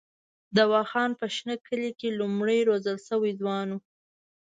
دوا خان په شنه کلي کې لومړنی روزل شوی ځوان وو.